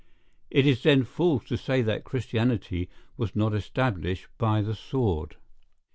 It is then false to say that Christianity was not established by the sword.